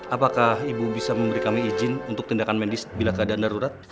apakah ibu bisa memberi kami izin untuk tindakan medis bila keadaan darurat